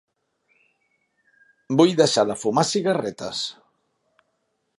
Vull deixar de fumar cigarretes.